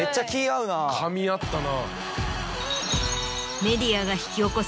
かみ合ったな。